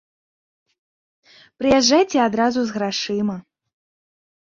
Прыязджайце адразу з грашыма.